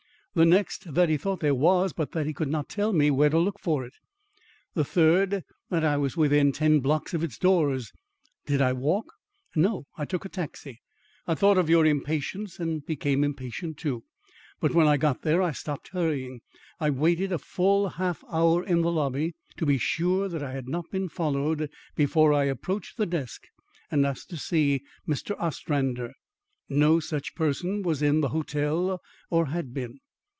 The next, that he thought there was, but that he could not tell me where to look for it. The third, that I was within ten blocks of its doors. Did I walk? No, I took a taxi. I thought of your impatience and became impatient too. But when I got there, I stopped hurrying. I waited a full half hour in the lobby to be sure that I had not been followed before I approached the desk and asked to see Mr. Ostrander. No such person was in the hotel or had been.